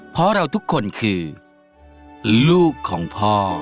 เพราะเราทุกคนคือลูกของพ่อ